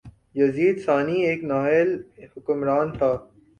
یزید ثانی ایک نااہل حکمران تھا